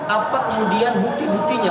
apa kemudian bukti buktinya